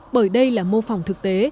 bởi đây là mô phỏng thực tế